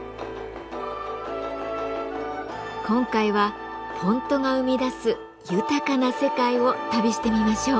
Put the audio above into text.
今回はフォントが生み出す豊かな世界を旅してみましょう。